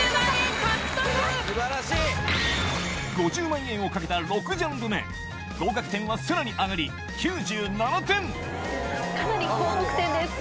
５０万円を懸けた６ジャンル目合格点はさらに上がり９７点かなり高得点です。